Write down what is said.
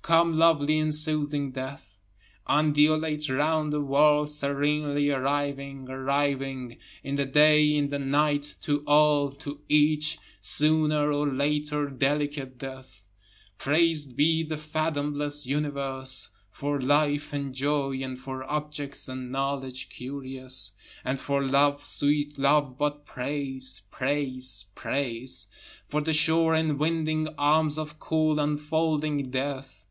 Come lovely and soothing death, Undulate round the world, serenely arriving, arriving, In the day, in the night, to all, to each, Sooner or later delicate death. Prais'd be the fathomless universe, For life and joy, and for objects and knowledge curious, And for love, sweet love but praise! praise! praise! For the sure enwinding arms of cool enfolding death.